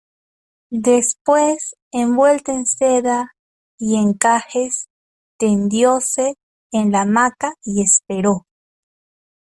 después envuelta en seda y encajes, tendióse en la hamaca y esperó: